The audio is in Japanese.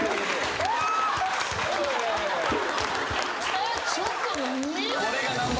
えっちょっと何？